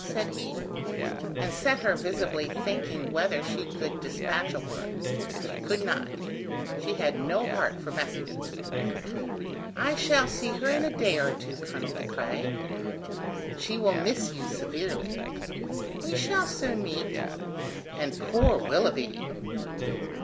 said he, and set her visibly thinking whether she could dispatch a word. She could not; she had no heart for messages. "I shall see her in a day or two, Colonel De Craye." "She will miss you severely." "We shall soon meet." "And poor Willoughby!"